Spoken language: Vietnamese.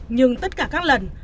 nhưng tất cả các lần